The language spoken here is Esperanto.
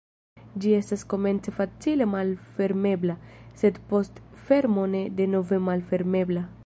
Ĝi estas komence facile malfermebla, sed post fermo ne denove malfermebla.